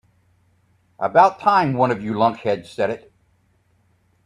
About time one of you lunkheads said it.